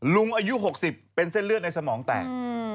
ลุงอายุ๖๐เป็นเส้นเลือดในสมองแตก